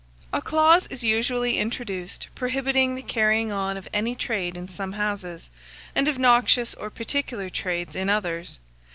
A clause is usually introduced prohibiting the carrying on of any trade in some houses, and of noxious or particular trades in others.